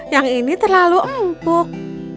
yang ini terlalu empuk